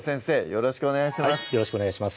よろしくお願いします